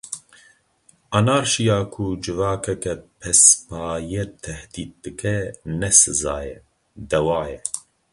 Anarşiya ku civakeke pespaye tehdît dike, ne siza ye, dewa ye.